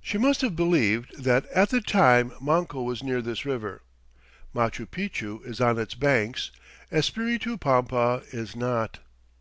She must have believed that at that time Manco was near this river. Machu Picchu is on its banks. Espiritu Pampa is not.